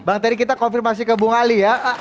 bang tadi kita konfirmasi ke bung ali ya